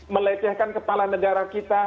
melecehkan kepala negara kita